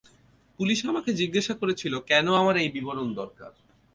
Police আমাকে জিজ্ঞাসা করেছিল কেন আমার এই বিবরণ দরকার।